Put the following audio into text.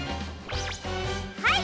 はい！